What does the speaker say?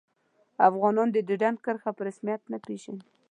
افغانان د ډیورنډ کرښه په رسمیت نه پيژني